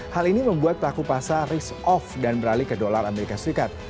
hal ini membuat pelaku pasar risk off dan beralih ke dolar amerika serikat